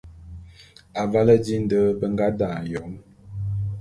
Avale di nde be nga dane Yom.